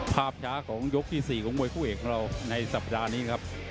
ภาพช้าของยกที่หมาที่๔ของมวยครุ่งเอกเราในสัปดาห์นี้ครับ